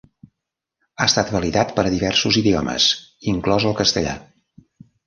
Ha estat validat per a diversos idiomes, inclòs el castellà.